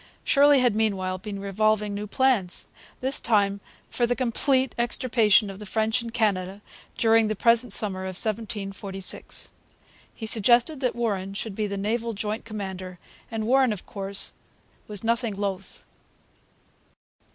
Shirley had meanwhile been revolving new plans, this time for the complete extirpation of the French in Canada during the present summer of 1746. He suggested that Warren should be the naval joint commander, and Warren, of course, was nothing loth.